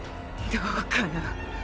どうかな？